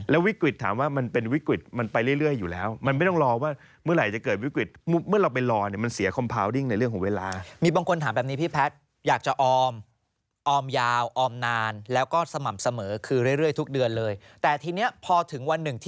แล้ววิกวิทย์ถามว่ามันเป็นวิกวิทย์มันไปเรื่อยอยู่แล้ว